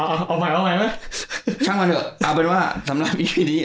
เอาใหม่เอาใหม่ไหมช่างมันเถอะเอาเป็นว่าสำหรับอีพีนี้